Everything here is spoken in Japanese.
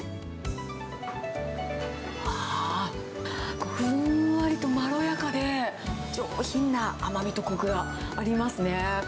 ああ、ふんわりとまろやかで、上品な甘みとこくがありますね。